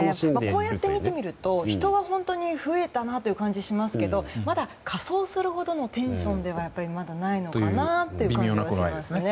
こうやってみてみると人は増えたなという感じがしますけどまだ仮装するほどのテンションではないのかなという感じはしますね。